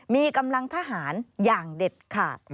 มีกำลังทหารอย่างเด็ดขาด